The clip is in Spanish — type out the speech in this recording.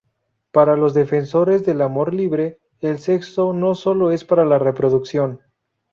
Para los defensores del amor libre, el sexo no solo es para la reproducción.